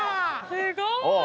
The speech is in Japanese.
すごい！